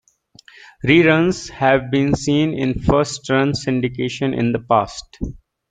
Reruns have been seen in first run syndication in the past.